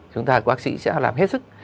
chúng ta của bác sĩ sẽ làm hết sức